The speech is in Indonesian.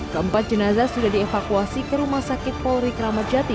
keempat jenazah sudah dievakuasi ke rumah sakit polri keramajati